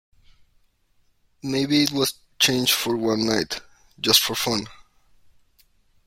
Maybe it was changed for one night ... just for fun.